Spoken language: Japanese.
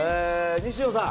西野さん